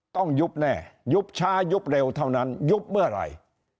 ต้องยุบแน่ยุบช้ายุบเร็วเท่านั้นยุบเมื่อไหร่